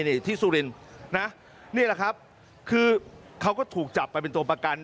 นี่แหละครับคือเขาก็ถูกจับไปเป็นตัวประกัน